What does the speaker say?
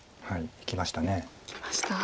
いきました。